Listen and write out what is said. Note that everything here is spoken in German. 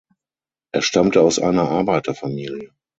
Er stammte aus einer Arbeiterfamilie.